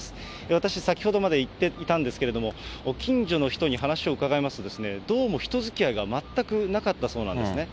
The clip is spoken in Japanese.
私、先ほどまで行ってたんですけれども、近所の人に話を伺いますと、どうも人づきあいが全くなかったそうなんですね。